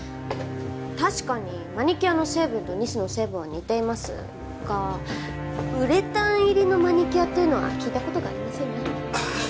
確かにマニキュアの成分とニスの成分は似ていますがウレタン入りのマニキュアっていうのは聞いた事がありませんね。